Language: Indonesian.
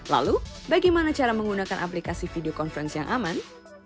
lalu bagaimana cara menggunakan aplikasi video conference yang aman